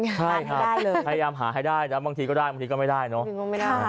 ใช่ครับพยายามหาให้ได้นะบางทีก็ได้บางทีก็ไม่ได้เนอะจริงก็ไม่ได้